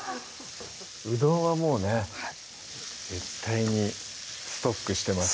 うどんはもうね絶対にストックしてます